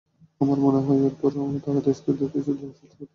আমার মনে হয়, এরপরও তারা দেশকে কিছু দেওয়ার জন্য সচেষ্ট থাকে না।